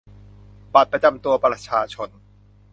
บัตรประจำตัวประชาชน